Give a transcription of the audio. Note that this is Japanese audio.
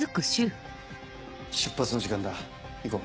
出発の時間だ行こう。